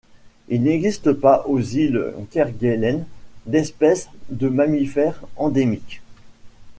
Il n'existe pas aux îles Kerguelen d'espèce de mammifère endémique.